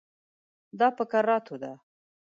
دا په کراتو ده.